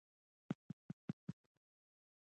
له خولې څخه يې زرغون ماسک لرې کړ.